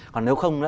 còn nếu không